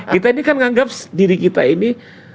kita ini kan menganggap diri kita ini